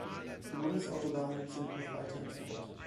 Die Bundesautobahnen sind noch weiter entfernt.